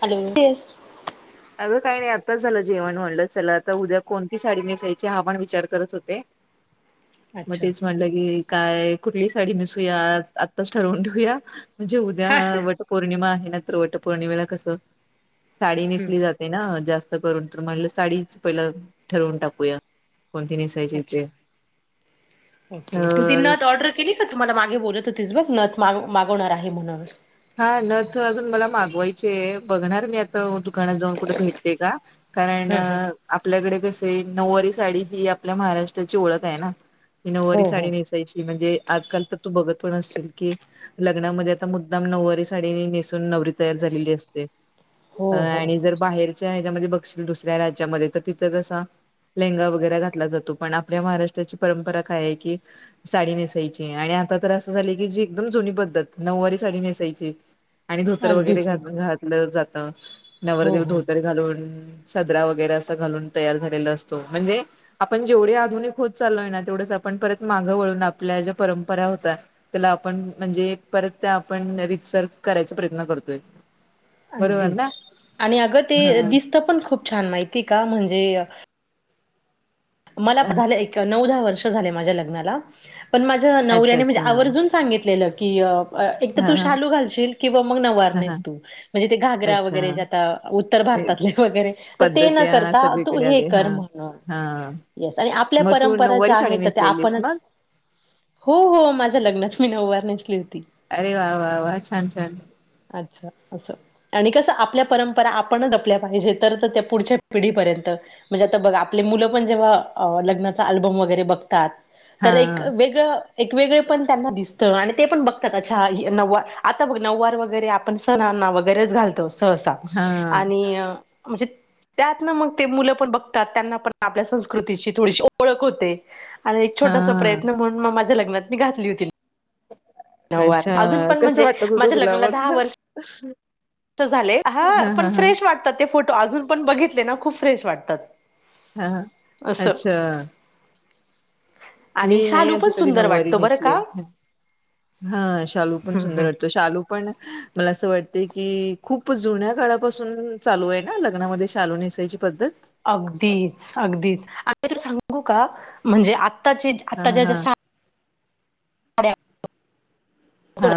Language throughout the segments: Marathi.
हॅलो अगं काय नाही आत्ताच झालं जेवण म्हणलं चला आता उद्या कोणती साडी नेसायची हा पण विचार करत होते. मग अच्छा तेच म्हटलं की काय कुठली साडी नेसूया आज आत्ताच ठरवून ठेऊया. म्हणजे उद्या हा वटपौर्णिमा आहे ना तर वटपौर्णिमेला कस सा जाते ना जास्त करून तर म्हणलं साडीच पहिलं ठरवून टाकूया. कोणती नेसायची अच्छा ते ओके तू ती तर नत ऑर्डर केली का तु मला मागे बोलत होतीस बघ नत माग मागवणार आहे म्हणून. हा नथ अ अजून मला मागवायची आहे बघणार मी आता दुकानात जाऊन कुठ भेटते का कारण ह अ ह आपल्याकडे कसय नऊवारी साडी ही आपल्या महाराष्ट्राची ओळख आहे ना ही हो नऊवारी हो साडी नेसायची म्हणजे आजकाल तर तू बघत पण असशील की लग्नामध्ये आता मुद्दाम नऊवारी साडी ने नवरी तयार झालेली असते हो हो आणि जर बाहेरच्या बघशील दुसऱ्या राज्यामध्ये तर तिथं कसा लेहंगा वगैरे घातला जातो पण आपल्या महाराष्ट्राची परंपरा काय आहे की साडी नेसायची आणि आता तर असं झालं आहे की एकदम जुनी पद्धत नऊवारी साडी नेसायची आणि धोतर वगैरे अगदीच घ अगदीच घातलं जात हो नवरदेव हो धोतर घालून सदरा वगैरे अस घालून तयार झाले असतो म्हणजे आपण जेवढे आधुनिक होत चालोय ना तेवढ परत माग वळून आपल्या ज्या परंपरा होत त्याला आपण म्हणजे परत त्या आपण रीतसर करायचा प्रयत्न करतो अगदीच आणि अगं ते हा दिसत पण खूप छान माहिती का म्हणजे मला झाले एक नऊ दहा वर्ष झाले माझ्या लग्नाला पण माझ्या अच्छा नवऱ्याने म्हणजे अच्छा आवर्जून सांगितलेलं की एक तर हा तू हा शालू घालशील किंवा मग नवार हा हा नाहीस तू म्हणजे ते घागरा अच्छा वगैरे ज उत्तर भ ते भारतात वगैरे तर ते पद्धती न हा करता तू सगळीकडे हे आले कर हा म्हणून हा येस आणि आपल्या मग तू परंपरा नऊवारी ज्या साडी आहेत तर त्या नेसलेलीस आपणच मग हो हो माझ्या लग्नात मी नववार नस अरे वा वा वाह छान छान अच्छ असं आणि कसं आपल्या परंपरा आपण आपल्या पाहिजे तर तर त्या पुढच्या पिढीपर्यंत म्हणजे आता बघा आपले मुलं पण जेव्हा लग्नाचा आल्बम वगैरे बघतात हा तर एक वेगळं एक वेगळे पण त्यांना दिसतं आणि ते पण बघतात अच्छा नववार आता बघ नववार वगैरे आपण सण वगैरेच घालतो सहसा हा आणि म्हणजे त्यात ना मग ते मुलं पण बघतात त्यांना पण आपल्या कृतीची थोडीशी ओळख होते आणि एक छोटासा हा प्रयत्न म्हणून म माझ्या लग्नात मी घातली होती नवार अच्छा अजून पण कसं म्हणजे वाटत होतं माझ्या तुला लग्नाला मग दहा हा वर्ष झाले हा पण फ्रेश वाटतात ते फोटो अजून पण बघितले ना खूप फ्रेश वाटतात हा हा असं. अच्छा आणि मी नाही शालू पण असे कधी सुंदर नऊवारी वाटतो बरं का. नेसले हा शालू पण सुंदर हम्म. वाटतो शालू पण मला असं वाटते [inaudible] कि खूप जुन्या काळापासून चालू आहे ना लग्नामध्ये शालू नसायची पद्धत अगदीच अगदीच आणि तू सांगू का म्हणजे आ आताचे हा आत्ताच्या ज हा साड्या हा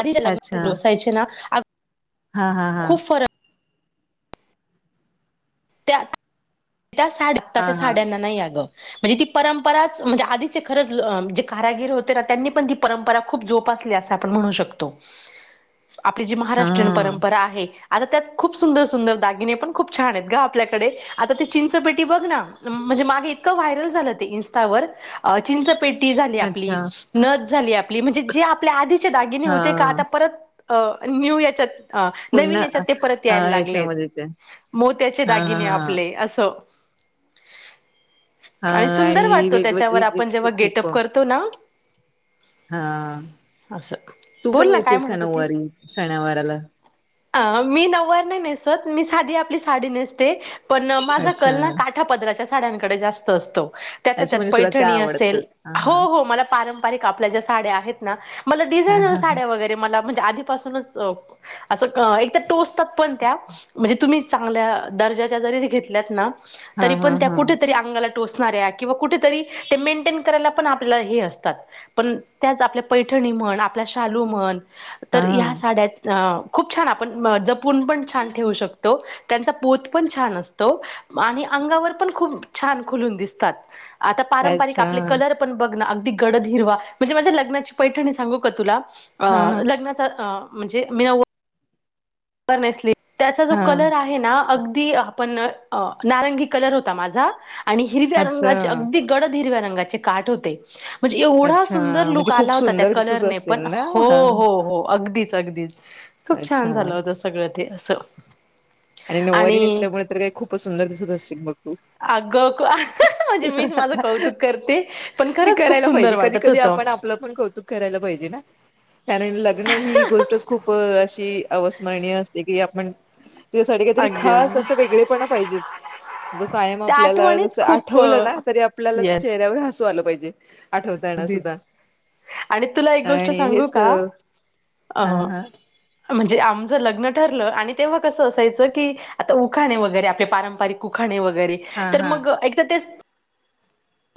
आधीच्या अच्छा लग्नाोसायचे ना हा हा हा खूप फरक त्या त्या हा साडताच्या हा साड्यांना नाही या ग म्हणजे ती परंपराच म्हणजे आधीचे खरच जे कारागिर होते ना त्यांनी पण ती परंपरा खूप जोप म्हण शो आपली जी महाराष्ट्रीय हा परंपरा आहे आता त्यात खूप सुंदर सुंदर दागिने पण खूप छान आहेत ग आपल्याकडे आता ती चिंचपेटी बघ ना म्हणजे माग इतकं व्हायरल झालं इस्टावरं पेटी झाली आपली अच्छा नद झाली आपली म्हणजे जे आपल्या आधीचे दागिने हा होते का आता परत अ न्यू याचत अ पुन्हा नवीन याच्यात ते परत हा यायला लागलेत याच्यामध्ये ते मोत्याचे हा हा दागिने हा आपले हो हा आणि सुंदर वाटतो त्याच्यावर वेगवेगळी जी आपण जेव्हा खूप गेटअप करतो ना हा असं तू पण बोल ना काय नेसतेस का म्हणत होतीस नऊवारी सणावाराला अ मी नवार नाही नेसत मी साधी आपली साडी नेसते पण माझा कल अच्छा ना काठा पदराच्या साड्यांकडे जास्त असतो त्या अच्छा त्यात म्हणजे तुला त्या पैठणी असेल आवडतात हा हो हा हो मला प ल्याड्या म ड हा आण हा म्हण त अर्जाचा जरी घेतल्यात ना हा तरीपण हा त्या हा कुठेतरी अंगाला टोच साऱ्या किंवा कुठेतरी ते मेन्टेन करायला पण आपल्याअसतात पण त्या आपल्या पै म्हण आपल्या शालू म्हण तर ह्या हा साड्या अ खूप छान आपण जपून पण छान ठेवू शकतो, त्यांचा पोत पण छान असतो तो, म आणि अंगावर पण खूप छान खुलून दिसतात. आता पारंपरिक अच्छा आपले कलर पण बघ ना अगदी गडद हिरवा, म्हणजे माझ्या लग्नाची पैठणी सांगू का तुला? अ हा हा लग्नाचा आ म्हणजे मेव पर नेसली त्याचा जो हा कलर आहे ना अगदी पण अ नारंगी कलर होता माझा, आणि हिरव्या अच्छा रंगाची अगदी गडद हिरव्या रंगाचे काठ होते. म्हणजे एवढा अच्छा सुंदर म्हणजे लुक खूप आला होता त्या सुंदर दिसत कलरने असेल पण, ना हो हा हो हो अगदी च अगदी खूप अच्छा छान झालं होत सगळं ते असं आणि नऊवारी नेसल्यामुळे तर काही खूपच सुंदर दिसत असशील मग तू? अगं अहाहा म्हणजे मीच माझं कौतुक करते, पण खरंच खूप सुंदर वाटत होतं. तुला पण कौतुक करायला पाहिजे ना, कारण लग्न ही गोष्टच खूप अश् की अवस्मरणीय असते कि आपण, त्याच्यासाठी काहीतरी अगदी खास अगदी असं वेगळेपणा पाहिजेच. जो कायम त्या आपल्याला आठवणीच जसं खूप आठवलं ना, तरी आपल्याला येस चेहऱ्यावर हसू आलं पाहिजे. आठवताना अगदीच सुद्धा. आणि तुला एक गोष्ट आणि सांगू हेच का? अ हा हा म्हणजे आ ज लग्न ठरलं आणि तेव्हा कसं असायच की, आता उखाणे वगैरे आपले पारंपरिक उखाणे व गरे, हा तर हा मग एक त ते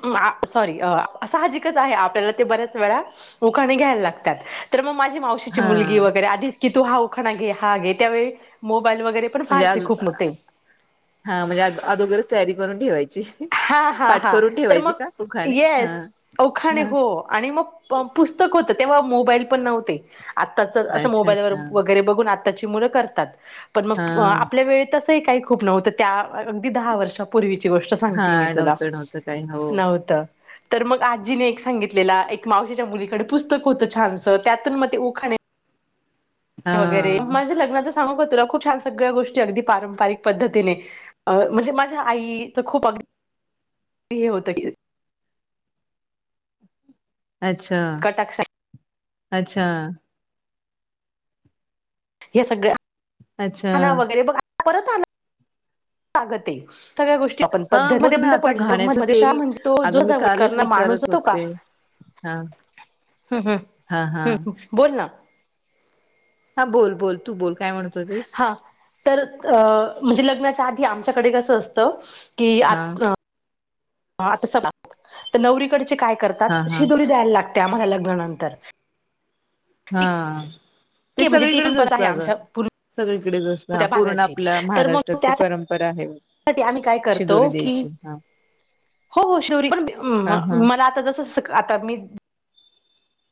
मां सॉरी आ साहजिकच आहे आपल्याला ते बऱ्याच वेळा, उखाणे घ्यायला लागतात, तर मग मा मावशीची हा मुलगी वैगरे आधीच की तू हा उखाणा घे हा घे त्यावेळी मो म्हणजे आज हा म्हणजे आ आदोगरच तयारी करून ठेवायची. हा हा पाठ हा करून तर ठेवायची मग का पुखाणे येस, हा उखाणे हा हो आणि मग पुस्तक होत ते तेव्हा मोबाईल पण नव्हते, आता तर असं अच्छा मोबाईलवर अच्छा वगैरे बघून आत्ताची मुलं करतात. पण हा मग आपल्या वेळेत तसंही काही खूप नव्हतं त्या अगदी दहा वर्षापूर्वीची गोष्ट सांग हा ती मी तुला, नव्हतं नव्हतं काय हो नव्हतं. तर मग आजीने एक सांगितलेला, एक मावशीच्या मुलीकडे पुस्तक होतं छानसं त्यातून मग ते उखाणे हा वगैरे, म माझ्या लग्नाचंच का तुला? खूप छान सगळ्या गोष्टी अगदी पारंपरिक पद्धतीने, म्हणजे माझ्या आईचं खुप अग [inaudible] हे होतं की अच्छा, कटाक्ष अच्छा हे सगळं अच्छा खना वगैरे बघ परत आगं ते सगळ्या गोष्टी पण हा पद्धती म बघ ना बंद आता पडलं [unintelligible] घाण्याचं तेल म्हणजे तो जो अगं मी सजावट कालच करणार माणूस विचारच होतो का? होते हा हम्म हम्म हा हा हम्म हम् बोल ना हा बोल बोल तू बोल. काय म्हणत होतीस? हा तर अ म्हणजे लग्नाच्या आधी आमच्याकडे कसं असतं की आ हा ह आता सदा, तर नवरीकडचे काय करतात, हा हा शिदोरी द्यायला लाग त्या म्हणे लग्नानंतर ठीक हा, ते आहे म्हणजे ती सगळीकडेच परंपरा असतं आहे अगं आमच्या पूर्ण सगळीक च असतं, ह त्या पूर्ण भागाची आपल्या तर महाराष्ट्रात मग ती त्यासाठी परंपरा आहे. आम्ही काय करतो शिदोरी की द्यायची हा. हो हो शिवरी पण, हा हा मला आता जसं आता मी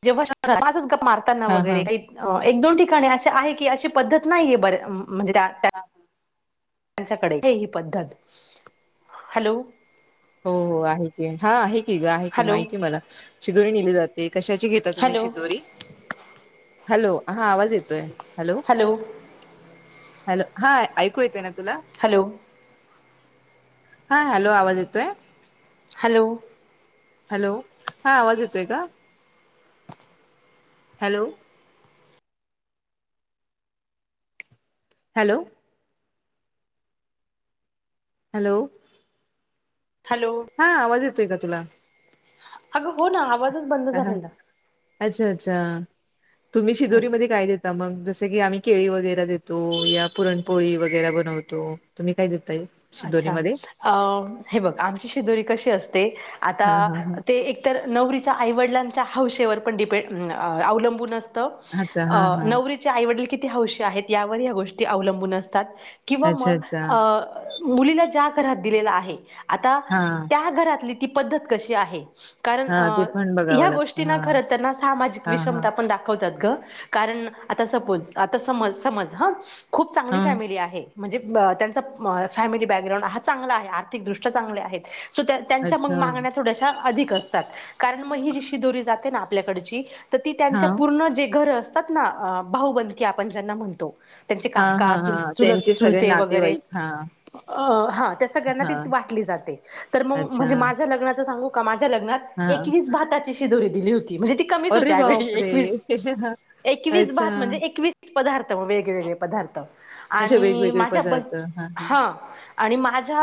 जेव्हा [unintelligible] मारताना हा हा वगैरे काही एक दोन ठिकाणी अशे आहे की अशी पद्धत नाहीये बर म्हणजे त्या त्यांच्याकडे हे ही पद्धत, हॅलो हो हो आहे की हा आहे की आहे की हॅलो माहितीय मला चिघून नले जाते कशाची घेता तुम्ही हॅलो शिदोरी हॅलो हा आवाज येतोय हॅलो हॅलो हा ऐकू येत ना तुला हॅलो हा हॅलो आवाज येतोय हॅलो हॅलो हा आवाज येतोय का हॅलो हॅलो हॅलो हॅलो हा आवाज येतोय का तुला अग हो ना आवाज अच्छा अच्छा तुम्ही शिदोरी असं म काय देता मग जस की आम्ही केळी वगैरे देतो या पुरणपोळी वगैरे बनवतो तुम्ही काय देतो अच्छा अ हे बघ आमची शिजोरी कशी असते ते आता हा हा हा ते एकत नवरीच्या आईवडिलांच्या हौशेवर पण डिपेंड अवलंबूनच अच्छा अ हा हा नवरीच्या आईवडील किती हौशी आहेत यावर या्या गोष्टी अवलंबूनात किंवा अच्छा मग अच्छा मुलीला ज्या घरात दिलेला आहे आता हा त्या घरातली ती पद्धत कशी आहे कारण हा ते अ पण ह्या बघावं लागतं गोष्टीना हा खरं तरना सामाजिक हा हा विषमता आपण दाखवतात कारण आता सपोज आता समज समज ह खूप चांगली हा फॅमिली आहे म्हणजे त्यांचा फॅमिली बॅकग्राउंड हा चांगला आहे आर्थिकदृष्ट्या चांगल्या आहेत सो त्या त्यांच्या मग अच्छा मागण्या थोड्याश्या अधिक असतात कारण मग ही जीशी दोरी जाते ना आपल्याकडची तर ती हा त्यांच्या पूर्ण जे घरं असतात ना भाऊबंदी आपण ज्यांना म्हणतो त्यांचे हा हा काका चुल हा त्यांचे चुलत सगळे चुलते वगैरे नातेवाईक हा अ हा त्या सगळ्यांना हा त वाटली जाते तर मग अच्छा म्हणजे माझ लग्नाच सांगू का मा लग्नात हा एकवीस भाताची शि दोरी दिली होती म्हणजे ती कमीच अरे होतेवे बापरे एक हा अच्छा. एकसात म्हणजे पदार्थ वेगवेगळे पदार्थ अच्छा आणि वेगवेगळे माझ्या ब पदार्थ. हां, हां. हा आणि माझ्या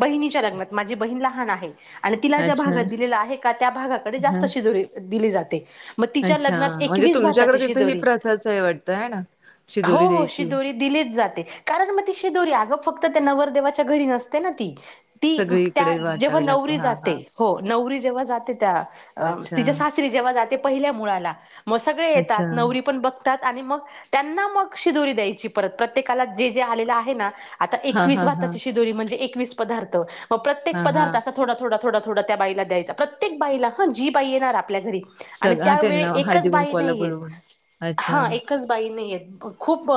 बहिणीच्या लग्नात माझी बहीण लहान आहे आणि तिला ज्या अच्छा. भागात दिलेला आहे का त्या भागाकडे जास्त हां. शिजोळी दिली जाते मग तिच्या अच्छा. लग्नात म्हणजे एकवीस भाताची तुमच्याकडे तिथे ही शिजोरी प्रथाच आहे वाटतं आहे ना? हो शिदोरी हो द्यायची. शिदोरी दिलीच जाते कारण मग ती शिदोरी अग फक्त त्या नवरदेवाच्या घरी नसते ना ती ती त्या सगळीकडे जेव्हा वाटावी लागते. नवरी हां, जाते हां. हो नवर जेव्हा जाते त्या अच्छा. ति सासरी जेव्हा जाते पहिल्या मुळाला मग सगळे अच्छा. येतात नवरी पण बघ आणि मग त्यांना मग शिजोरी द्यायची परत प्रत्येकाला जे जे आलेलं आहे ना आता हां, एकवीस हां, हां. भाताची शिजोरी म्हणजे एकवीस पदार्थ मग प्रत्येक हां, पदार्थ हां. असा थोडा थोडा थोडा थोडं त्या बाईला द्यायचा प्रत्येक बाला हा जी पा येणार आपल्या घरी आणि सग हां त्यावेळी त्यांना एकच हळदी बाई कुंकवाला नाही आहेत बोलवून. अच्छा. हा एकच बाई नाही आहेतेत खूप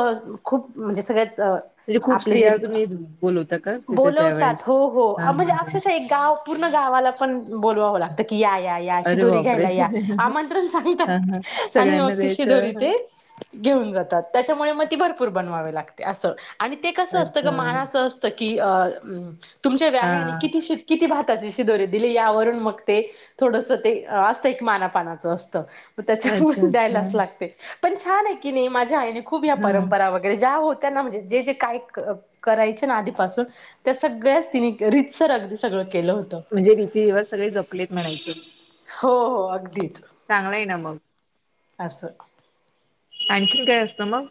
खूप म्हणजे सगळ्यात म्हणजे खूप बतात स्त्रिया तुम्ही बोलवता का तिथे त्यावेेळेस? हां, म्हणे हां, हां. अशाव पूर्ण गावाला पण बोलवावं लागत की या या या अशी अरे दोरी बापरे! घ्यायला या आमंत्रण हां, हां. सांगतात आणि मग सगळ्यांना द्यायचं. त हां. घेऊन जातात त्याच्यामुळे मगी भरपूर बनवावे लागते अस आणि ते कस असतं ग अच्छा. मानाच असत की अ तुमच्या व्या आहे आणि हां. किती किती [unintelligible] त्याची शिदोरीे दिली यावरून मग ते थोडस ते असतं एक मानापानाचं असत त्याच्या अच्छा, मुळे अच्छा. द्यायलाच लागतयं. पण छान हायकी नी माझ्या आईने खूप या हां. परंपरा वगैरे ज्या होत - - त्यांना म्हणजे जेजे काय करायचे ना आधीपासून त्या सगळ्याच तिनं रितसर अगदी सगळं केलं होतं म्हणजे रीती रिवाज सगळे जपलेत म्हणायचे. हो, हो. अगदीच. चांगल हाय ना मग. अस. आणखीन काय असतं मग?